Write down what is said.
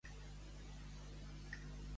Fer-li un floronco.